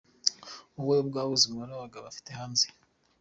Wowe ubwawe uzi umubare w’abo ufite hanze.